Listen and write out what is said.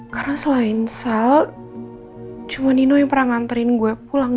karena selain sal cuma nino yang pernah nganterin gue pulang